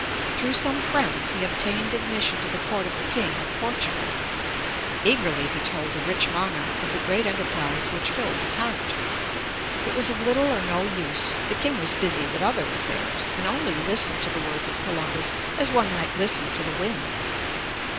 Through some friends he obtained admission to the court of the King of Portugal. Eagerly he told the rich monarch of the great enterprise which filled his heart. It was of little or no use, the King was busy with other affairs, and only listened to the words of Columbus as one might listen to the wind.